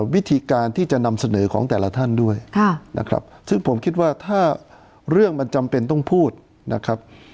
วิธีการที่จะนำเสนอของแต่ละท่านด้วยนะครับซึ่งผมคิดว่าถ้าเรื่องมันจำเป็นต้องพูดนะครับ